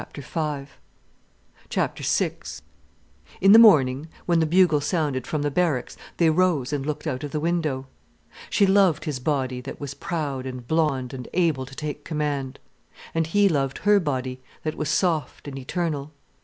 VI In the morning, when the bugle sounded from the barracks they rose and looked out of the window. She loved his body that was proud and blond and able to take command. And he loved her body that was soft and eternal.